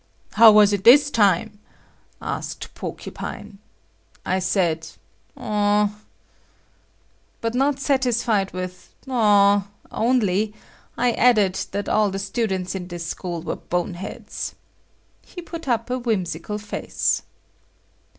"How was it this time?" asked Porcupine. I said "Umh." But not satisfied with "Umh" only, I added that all the students in this school were boneheads. He put up a whimsical face.